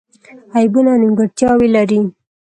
عیبونه او نیمګړتیاوې لري.